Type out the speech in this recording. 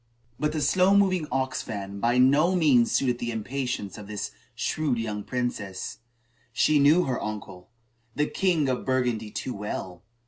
But the slow moving ox wagon by no means suited the impatience of this shrewd young princess. She knew her uncle, the king of Burgundy, too well.